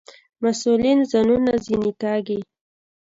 مسئولین ځانونه ځنې کاږي.